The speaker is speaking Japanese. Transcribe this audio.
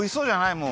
もう。